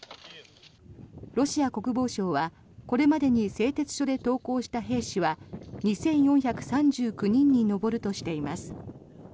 ロシア国防省はこれまでに製鉄所で投降した兵士は２４３９人に上るとしています。